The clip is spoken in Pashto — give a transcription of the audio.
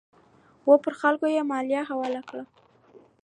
او پر خلکو یې مالیه حواله کړه.